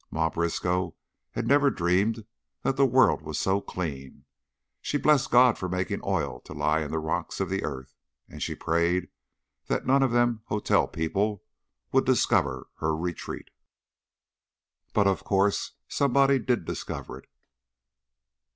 Ma Briskow had never dreamed that the world was so clean. She blessed God for making oil to lie in the rocks of the earth, and she prayed that none of "them hotel people" would discover her retreat. But, of course, somebody did discover it.